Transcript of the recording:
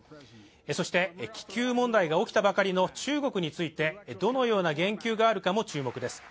そして気球問題が起きたばかりの中国についてどのような言及があるかも注目です